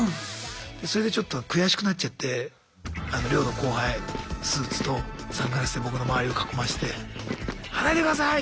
それでちょっと悔しくなっちゃって寮の後輩スーツとサングラスで僕の周りを囲まして「離れてください！」